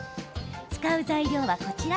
使う材料は、こちら。